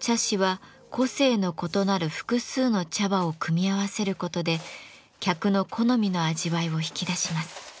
茶師は個性の異なる複数の茶葉を組み合わせることで客の好みの味わいを引き出します。